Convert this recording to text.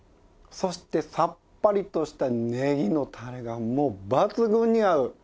そしてさっぱりとしたねぎのたれがもう抜群に合う！